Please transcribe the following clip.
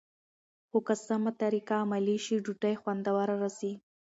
خو که سمه طریقه عملي شي، ډوډۍ خوندوره راځي.